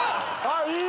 いい！